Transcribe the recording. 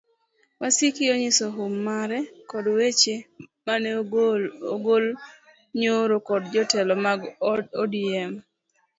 Wasiki onyiso hum mare kod weche mane ogol nyoro kod jotelo mag odm